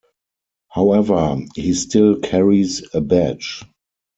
However, he still carries a badge.